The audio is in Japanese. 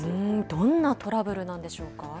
どんなトラブルなんでしょうか？